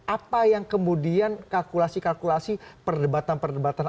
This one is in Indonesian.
apa yang kemudian kalkulasi kalkulasi perdebatan perdebatan